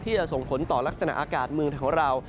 จะส่งผลต่อลักษณะอากาศเมืองของเรา